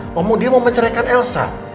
ngomong dia mau menceraikan elsa